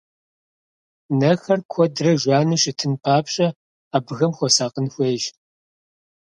Нэхэр куэдрэ жану щытын папщӀэ, абыхэм хуэсакъын хуейщ.